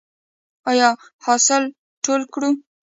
آیا حاصل ټول کړو؟